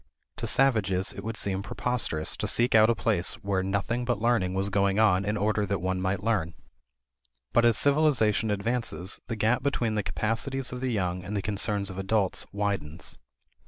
To savages it would seem preposterous to seek out a place where nothing but learning was going on in order that one might learn. But as civilization advances, the gap between the capacities of the young and the concerns of adults widens.